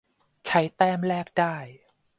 ใช้แต้มแลกได้